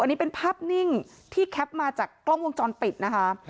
อันนี้เป็นภาพนิ่งที่แคปมาจากกล้องวงจรปิดนะคะ